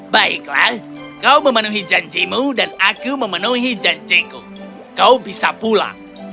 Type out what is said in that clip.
baiklah kau memenuhi janjimu dan aku memenuhi janjiku kau bisa pulang beritahu ayahmu bahwa dia akan mati